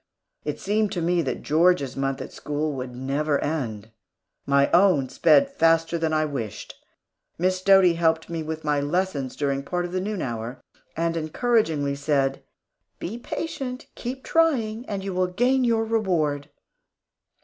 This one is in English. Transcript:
It seemed to me that Georgia's month at school would never end. My own sped faster than I wished. Miss Doty helped me with my lessons during part of the noon hour, and encouragingly said, "Be patient, keep trying, and you will gain your reward."